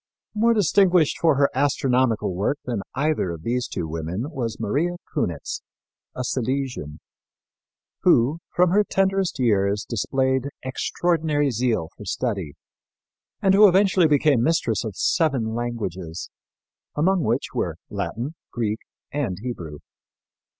More distinguished for her astronomical work than either of these two women was Maria Cunitz, a Silesian, who, from her tenderest years, displayed extraordinary zeal for study and who eventually became mistress of seven languages, among which were Latin, Greek and Hebrew.